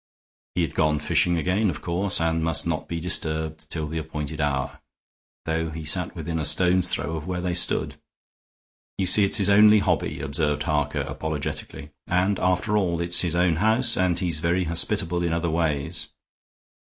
He had gone fishing again, of course, and must not be disturbed till the appointed hour, though he sat within a stone's throw of where they stood. "You see it's his only hobby," observed Harker, apologetically, "and, after all, it's his own house; and he's very hospitable in other ways."